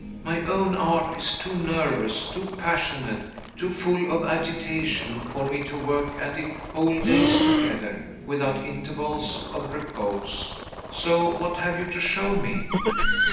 My own art is too nervous, too passionate, too full of agitation, for me to work at it whole days together, without intervals of repose. So, what have you to show me?"